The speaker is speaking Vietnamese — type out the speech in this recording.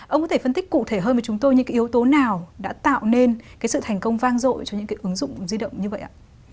ông có thể phân tích cụ thể hơn với chúng tôi những cái yếu tố nào đã tạo nên cái sự thành công vang dội cho những cái ứng dụng di động như vậy ạ